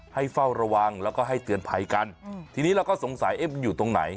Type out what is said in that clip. เฝ้าระวังแล้วก็ให้เตือนภัยกันทีนี้เราก็สงสัยเอ๊ะมันอยู่ตรงไหน